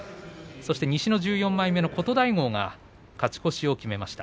そして西の１４枚目の琴太豪が勝ち越しを決めました。